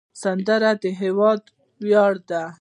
سندره د هیواد ویاړ دی